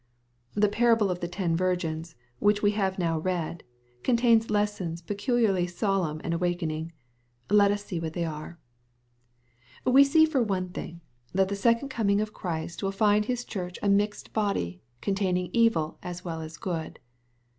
The parable of the ten virgins, which we have now read, contains lessons peculiarly solemn and awakening. Let us see what they are. We see for one thing, that the second coming of Christ MATTHEW, CHAP. XXV. 331 will find His Church a mixed bodj/j containing evil aa well as good.